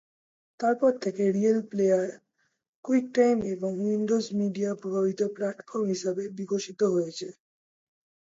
তারপর থেকে real player, quicktime এবং উইন্ডোজ মিডিয়া প্রভাবশালী প্ল্যাটফর্ম হিসাবে বিকশিত হয়েছে।